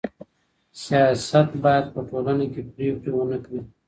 سیاست بايد په ټولنه کي پرېکړې ونه کړې.